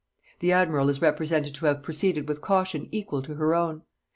The admiral is represented to have proceeded with caution equal to her own.